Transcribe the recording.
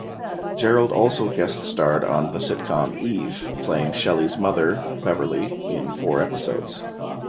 Jerald also guest-starred on the sitcom "Eve", playing Shelly's mother Beverly in four episodes.